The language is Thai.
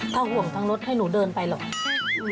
ถ้าห่วงทางรถให้หนูเดินไปหรอก